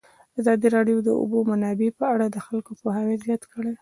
ازادي راډیو د د اوبو منابع په اړه د خلکو پوهاوی زیات کړی.